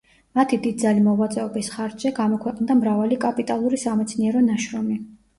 მათი დიდძალი მოღვაწეობის ხარჯზე გამოქვეყნდა მრავალი კაპიტალური სამეცნიერო ნაშრომი.